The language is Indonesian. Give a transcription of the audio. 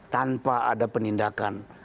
tanpa ada penindakan